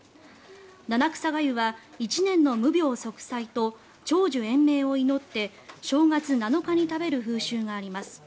七草がゆは１年の無病息災と長寿延命を祈って正月７日に食べる風習があります。